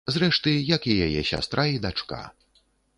Зрэшты, як і яе сястра і дачка.